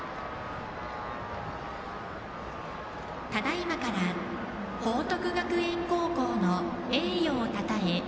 ただいまから、報徳学園高校の栄誉をたたえ